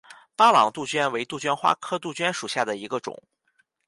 巴朗杜鹃为杜鹃花科杜鹃属下的一个种。